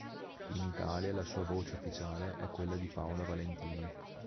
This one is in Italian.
In Italia la sua "voce" ufficiale è quella di Paola Valentini.